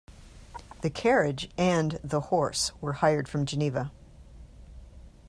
The carriage and the horse were hired from Geneva.